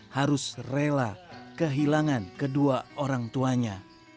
harus rela kehilangan kedua orang tuanya